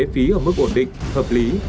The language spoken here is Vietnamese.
phí ở mức ổn định hợp lý